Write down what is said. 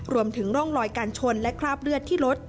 ร่องรอยการชนและคราบเลือดที่รถ